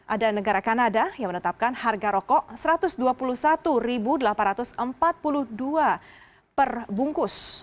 ada negara kanada yang menetapkan harga rokok rp satu ratus dua puluh satu delapan ratus empat puluh dua perbungkus